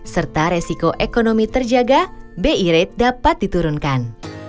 serta resiko ekonomi terjaga bi rate dapat diturunkan